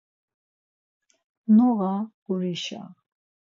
Noğa gurişa.